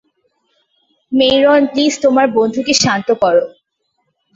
Myron, please তোমার বন্ধুকে শান্ত করো!